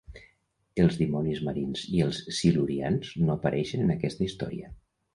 Els Dimonis Marins i els Silurians no apareixen en aquesta història.